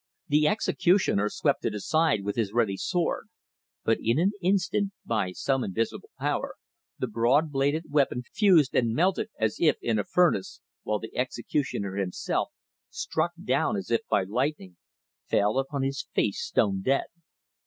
The executioner swept it aside with his ready sword, but in an instant, by some invisible power, the broad bladed weapon fused and melted as if in a furnace, while the executioner himself, struck down as if by lightning, fell upon his face stone dead.